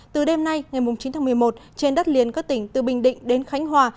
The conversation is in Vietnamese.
từ đêm nay ngày chín tháng một mươi một trên đất liền các tỉnh từ bình định đến khánh hòa